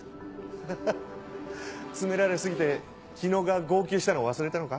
ハハ詰められ過ぎて日野が号泣したの忘れたのか？